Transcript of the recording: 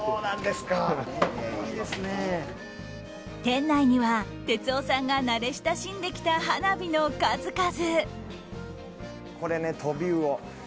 店内には、哲夫さんが慣れ親しんできた花火の数々。